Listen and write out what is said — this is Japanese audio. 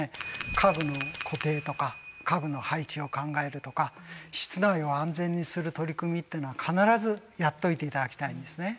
家具の固定とか家具の配置を考えるとか室内を安全にする取り組みっていうのは必ずやっといて頂きたいんですね。